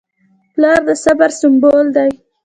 پلار د صبر سمبول دی.